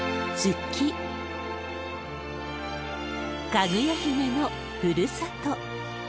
かぐや姫のふるさと。